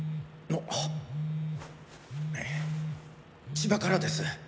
千葉からです。